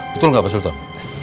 betul gak pak sultan